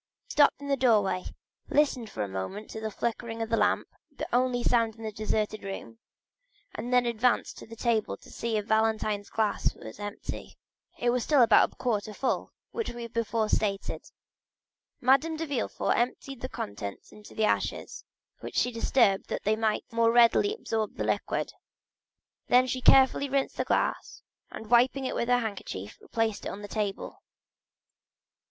She stopped in the doorway, listened for a moment to the flickering of the lamp, the only sound in that deserted room, and then advanced to the table to see if Valentine's glass were empty. It was still about a quarter full, as we before stated. Madame de Villefort emptied the contents into the ashes, which she disturbed that they might the more readily absorb the liquid; then she carefully rinsed the glass, and wiping it with her handkerchief replaced it on the table.